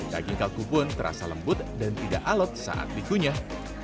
daging kalkun pun terasa lembut dan tidak alat saat dikunyah